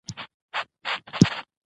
سيدکرم ولسوالۍ د پکتيا ولايت مربوطه ده